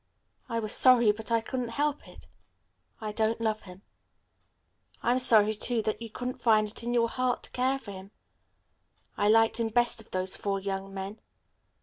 I was sorry, but I couldn't help it. I don't love him." "I'm sorry, too, that you couldn't find it in your heart to care for him. I liked him best of those four young men."